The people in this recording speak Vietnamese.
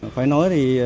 phải nói thì